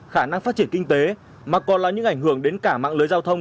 khả năng phát triển kinh tế mà còn là những ảnh hưởng đến cả mạng lưới giao thông